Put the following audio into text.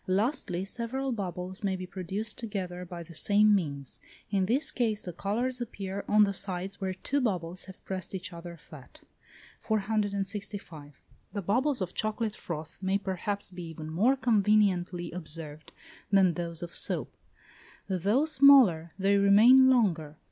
Lastly, several bubbles may be produced together by the same means; in this case the colours appear on the sides where two bubbles have pressed each other flat. 465. The bubbles of chocolate froth may perhaps be even more conveniently observed than those of soap; though smaller, they remain longer.